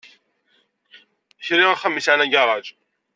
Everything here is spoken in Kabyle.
Kriɣ axxam ay yesɛan agaṛaj.